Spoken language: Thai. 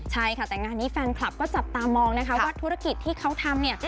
ใช่ค่ะแต่งานนี้แฟนคลับก็จับตามองนะคะว่าธุรกิจที่เขาทำเนี่ย